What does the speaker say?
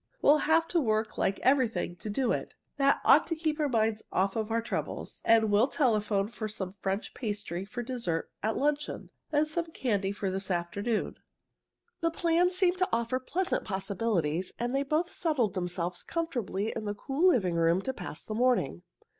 We'll have to work like everything to do it. That ought to keep our minds off of our troubles. And we'll telephone for some French pastry for dessert at luncheon, and some candy for this afternoon." The plan seemed to offer pleasant possibilities, and they both settled themselves comfortably in the cool living room to pass the morning.